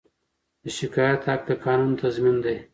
د شکایت حق د قانون تضمین دی.